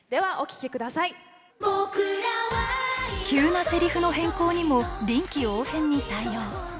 急なセリフの変更にも臨機応変に対応。